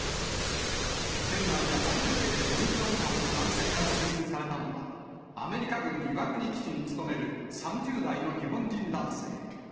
県内で初めて、オミクロン株の感染が確認されたのは、アメリカ軍岩国基地に勤める３０代の日本人男性。